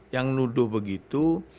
yang nuduh begitu